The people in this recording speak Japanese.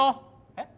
えっ？